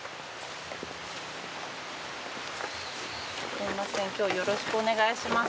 すいません今日よろしくお願いします。